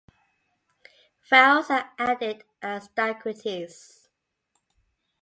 Vowels are added as diacritics.